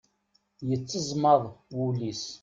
Yetteẓmaḍ wul-is.